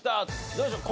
どうでしょう？